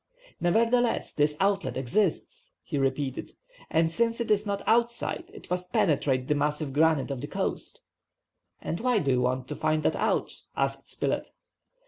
"Nevertheless, this outlet exists," he repeated, "and, since it is not outside, it must penetrate the massive granite of the coast!" "And why do you want to find that out?" asked Spilett.